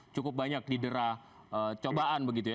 cukup banyak didera cobaan begitu ya